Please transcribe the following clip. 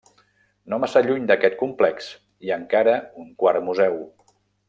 No massa lluny d'aquest complex, hi ha encara un quart museu.